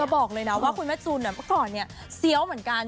บอกเลยนะว่าคุณแม่จูนเมื่อก่อนเนี่ยเซี้ยวเหมือนกัน